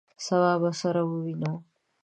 سبا به سره ووینو!